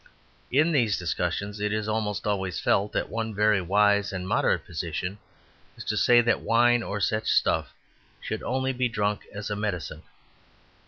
In these discussions it is almost always felt that one very wise and moderate position is to say that wine or such stuff should only be drunk as a medicine.